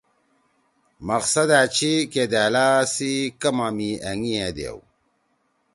مقصد أ چھی کہ دألا سی کما می أنگیِئے دیؤ۔